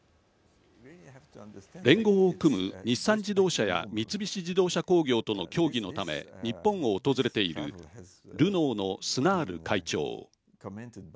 連合を組む日産自動車や三菱自動車工業との協議のため日本を訪れているルノーのスナール会長。